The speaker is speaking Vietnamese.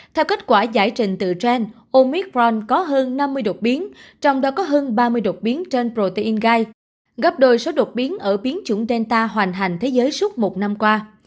theo kết quả giải trình từ grand omicront có hơn năm mươi đột biến trong đó có hơn ba mươi đột biến trên protein guide gấp đôi số đột biến ở biến chủng delta hoành hành thế giới suốt một năm qua